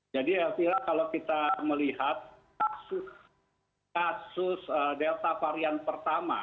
jadi artinya kalau kita melihat kasus delta varian pertama